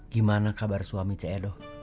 gimana kabar suara suami c e doh